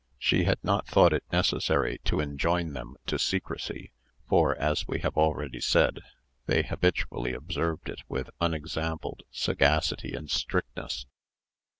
She had not thought it necessary, to enjoin them to secrecy; for, as we have already said, they habitually observed it with unexampled sagacity and strictness.